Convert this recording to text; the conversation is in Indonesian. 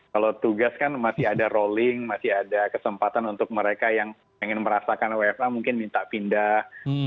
kalau tugas kan masih ada rolling masih ada kesempatan untuk mereka yang ingin merasakan wfa mungkin minta pindah